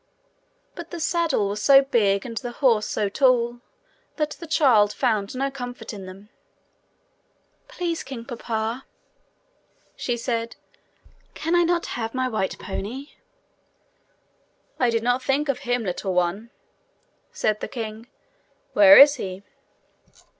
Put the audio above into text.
But the saddle was so big, and the horse so tall, that the child found no comfort in them. 'Please, King Papa,' she said, 'can I not have my white pony?' 'I did not think of him, little one,' said the king. 'Where is he?'